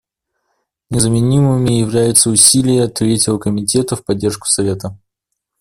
Незаменимыми являются усилия Третьего комитета в поддержку Совета.